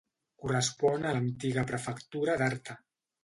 Correspon a l'antiga prefectura d'Arta.